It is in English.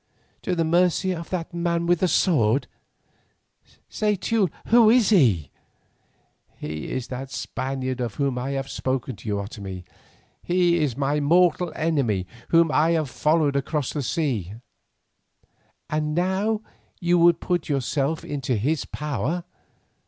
"To the mercy of that man with the sword? Say, Teule, who is he?" "He is that Spaniard of whom I have spoken to you, Otomie; he is my mortal enemy whom I have followed across the seas." "And now you would put yourself into his power.